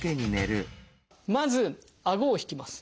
まずあごを引きます。